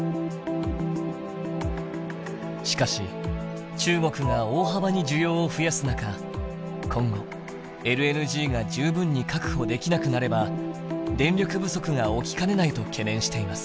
しかし中国が大幅に需要を増やす中今後ＬＮＧが十分に確保できなくなれば電力不足が起きかねないと懸念しています。